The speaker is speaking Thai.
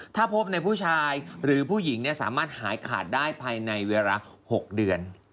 ถ้าพบในผู้ชายหรือผู้หญิงสามารถหายขาดได้ภายในเวลา๖เดือน